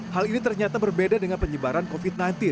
hal ini ternyata berbeda dengan penyebaran covid sembilan belas